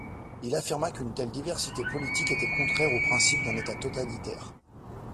Il affirma qu'une telle diversité politique était contraire aux principes d'un État totalitaire.